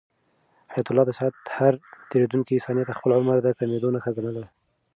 حیات الله د ساعت هر تېریدونکی ثانیه د خپل عمر د کمېدو نښه ګڼله.